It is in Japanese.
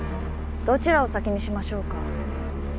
どちらを先にしましょうか？